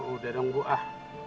udah dong bu ah